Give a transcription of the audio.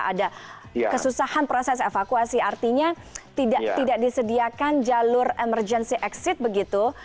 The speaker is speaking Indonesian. ada kesusahan proses evakuasi artinya tidak disediakan jalur emergency exit begitu